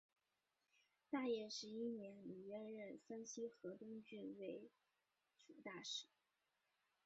大业十一年李渊任山西河东郡慰抚大使。